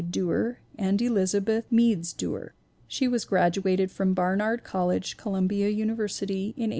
Duer and Elizabeth (Meads) Duer. She was graduated from Barnard College, Columbia Uni versity, in 1899.